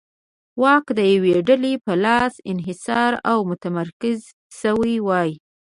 واک د یوې ډلې په لاس انحصار او متمرکز شوی وای.